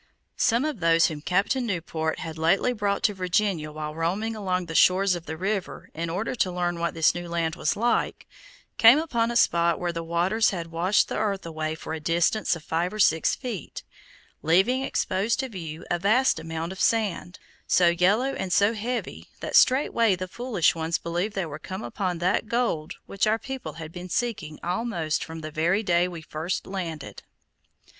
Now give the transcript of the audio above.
Some of those whom Captain Newport had lately brought to Virginia, while roaming along the shores of the river in order to learn what this new land was like, came upon a spot where the waters had washed the earth away for a distance of five or six feet, leaving exposed to view a vast amount of sand, so yellow and so heavy that straightway the foolish ones believed they were come upon that gold which our people had been seeking almost from the very day we first landed.